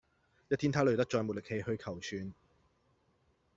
一天他累得再沒力氣去求存